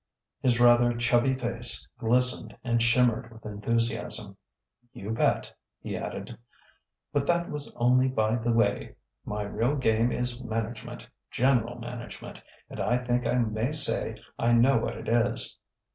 His rather chubby face glistened and shimmered with enthusiasm. "You bet!" he added. "But that was only by the way. My real game is management general management. And I think I may say I know what it is."